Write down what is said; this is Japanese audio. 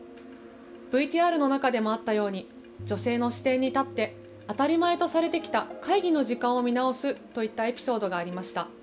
ＶＴＲの中でもあったように女性の視点に立って当たり前とされてきた会議の時間を見直すといったエピソードがありました。